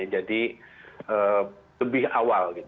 jadi lebih awal